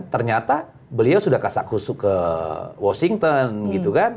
ternyata beliau sudah kasak husuk ke washington gitu kan